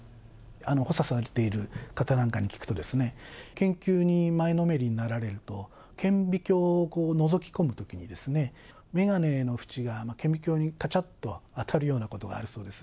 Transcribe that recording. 補佐されている方なんかに聞くとですね、研究に前のめりになられると、顕微鏡をのぞき込むときに、眼鏡の縁が顕微鏡にかちゃっと当たるようなことがあるそうです。